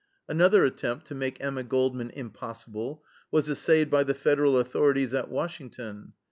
Another attempt to make Emma Goldman impossible was essayed by the Federal authorities at Washington.